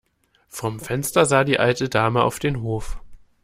Vom Fenster sah die alte Dame auf den Hof.